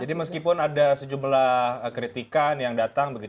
jadi meskipun ada sejumlah kritikan yang datang begitu ya